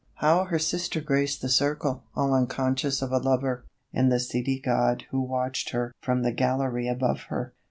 (How her sister graced the 'circle,' all unconscious of a lover In the seedy 'god' who watched her from the gallery above her!